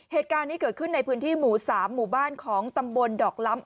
เหตุการณ์นี้เกิดขึ้นในพื้นที่หมู่๓หมู่บ้านของตำบลดอกล้ำ